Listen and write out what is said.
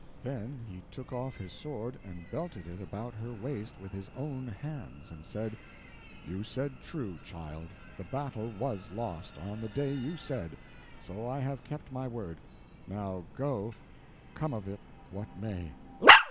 Then he took off his sword, and belted it about her waist with his own hands, and said: "You said true, child. The battle was lost, on the day you said. So I have kept my word. Now go—come of it what may."